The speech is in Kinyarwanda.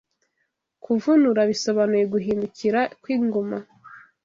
Kuvunura bisobanuye Guhindukira kw’ingoma